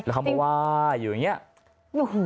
เพราะว่าอยู่อย่างนี้